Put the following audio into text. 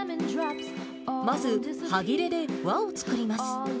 まず、端切れで輪を作ります。